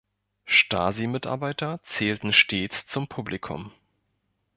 Stasi-Mitarbeiter zählten stets zum Publikum.